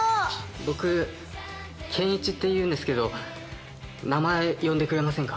僕ケンイチっていうんですけど名前呼んでくれませんか？